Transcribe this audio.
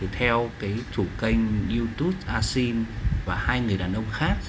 theo chủ kênh youtube assam và hai người đàn ông khác